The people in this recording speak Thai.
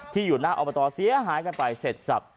อยู่หน้าอบตเสียหายกันไปเสร็จสับ